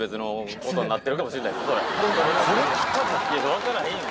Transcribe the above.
分からへんやん